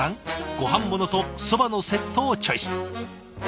ごはんものとそばのセットをチョイス。